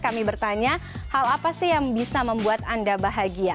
kami bertanya hal apa sih yang bisa membuat anda bahagia